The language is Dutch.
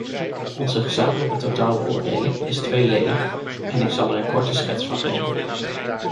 Onze gezamenlijke totaalbeoordeling is tweeledig en ik zal er een korte schets van geven.